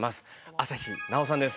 朝日奈央さんです。